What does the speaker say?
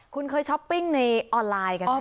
คุณเคยช้อปปิ้งในออนไลน์กันไหม